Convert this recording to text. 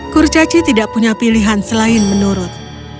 kurcaci tidak punya pilihan selain menurut